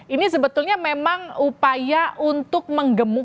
ini sebetulnya memang upaya untuk menggemukan